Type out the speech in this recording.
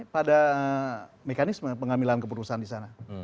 pada mekanisme pengambilan keputusan di sana